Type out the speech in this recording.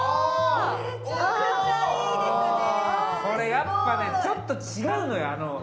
これやっぱねちょっと違うのよ